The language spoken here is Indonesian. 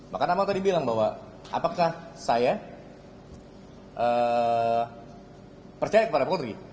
maka nama tadi bilang bahwa apakah saya percaya kepada polri